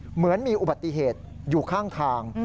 เหมือนมีอุบัติเหตุอยู่ข้างทาง